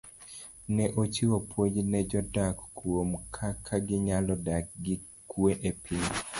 Ne ochiwo puonj ne jodak kuom kaka ginyalo dak gi kwee e piny.